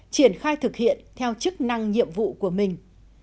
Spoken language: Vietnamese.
triển khai thực hiện theo chức năng nhiệm vụ của mình